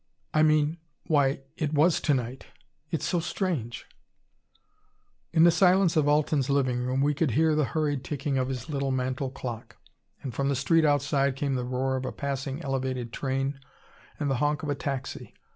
I mean, why it was to night. It's so strange "In the silence of Alten's living room we could hear the hurried ticking of his little mantle clock, and from the street outside came the roar of a passing elevated train and the honk of a taxi.